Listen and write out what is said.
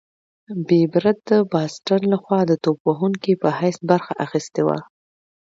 بېب رت د باسټن لخوا د توپ وهونکي په حیث برخه اخیستې وه.